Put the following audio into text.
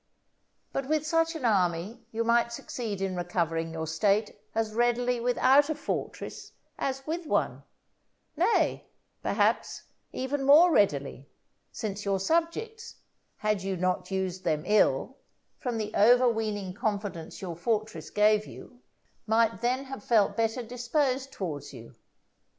But with such an army you might succeed in recovering your State as readily without a fortress as with one; nay, perhaps, even more readily, since your subjects, had you not used them ill, from the overweening confidence your fortress gave you, might then have felt better disposed towards you.